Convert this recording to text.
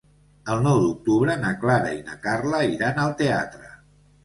El nou d'octubre na Clara i na Carla iran al teatre.